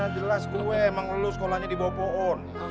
jelas gue emang lulus sekolahnya di bawah pohon